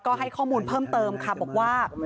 ก็ให้ข้อมูลเพิ่มเติมค่ะบอกว่า